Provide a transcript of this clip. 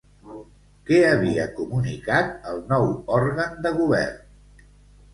Què havia comunicat el nou òrgan de govern?